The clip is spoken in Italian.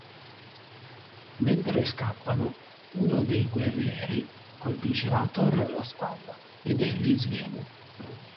Mentre scappano, uno dei guerrieri colpisce Ator alla spalla ed egli sviene.